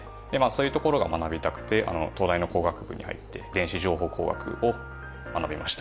そういうところが学びたくて東大の工学部に入って電子情報工学を学びました。